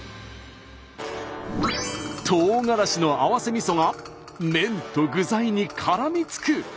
とうがらしの合わせみそが麺と具材にからみつく。